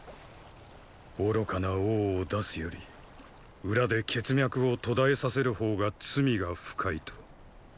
愚かな王を出すより裏で血脈を途絶えさせる方が罪が深いと。